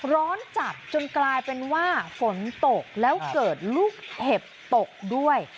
ร้อนจัดจนกลายเป็นว่าฝนตกแล้วเกิดลูกเห็บตกด้วย